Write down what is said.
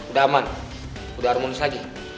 udah aman udah harmonis lagi